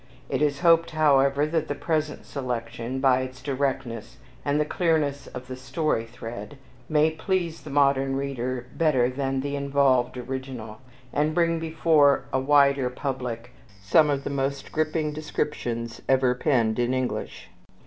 It is hoped, however, that the present selection, by its directness and the clearness of the story thread, may please the modern reader better than the involved original, and bring before a wider public some of the most gripping descriptions ever penned in English.